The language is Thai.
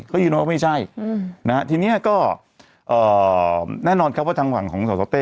เขายืนว่าไม่ใช่นะฮะทีนี้ก็แน่นอนครับว่าทางฝั่งของสสเต้